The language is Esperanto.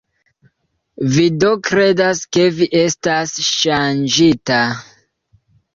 "Vi do kredas ke vi estas ŝanĝita?"